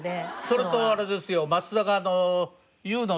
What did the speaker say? それとあれですよ。